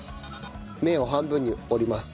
麺を半分に折ります。